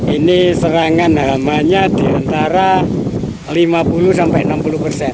ini serangan hamanya di antara lima puluh sampai enam puluh persen